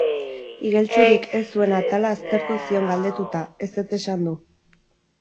Igeltsurik ez zuen atala aztertu zion galdetuta, ezetz esan du.